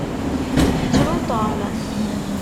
Yettru Tom.